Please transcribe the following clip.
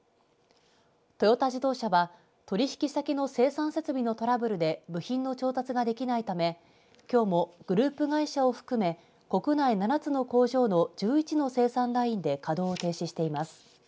トヨタ自動車は取引先の生産設備のトラブルで部品の調達ができないためきょうもグループ会社を含め国内７つの工場の１１の生産ラインで稼働を停止しています。